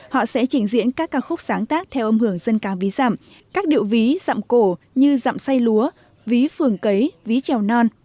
họ sẽ trình diễn các ca khúc sáng tác theo âm hưởng dân ca ví dặm các điệu ví dặm cổ như dặm say lúa ví phường cấy ví trèo non